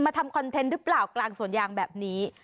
ทำคอนเทนต์หรือเปล่ากลางสวนยางแบบนี้